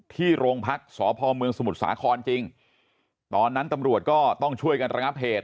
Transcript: ที่โรงพักษ์สพเมืองสมุทรสาครจริงตอนนั้นตำรวจก็ต้องช่วยกันระงับเหตุ